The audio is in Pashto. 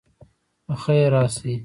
په خیر راسئ.